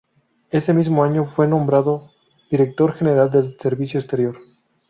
Ese mismo año fue nombrado Director General del Servicio Exterior.